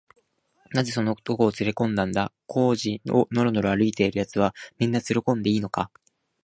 「なぜその男をつれこんだんだ？小路をのろのろ歩いているやつは、みんなつれこんでいいのか？」